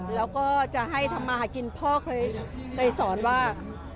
แล้วก็จะให้ทำมาหากินพ่อเคยสอนว่า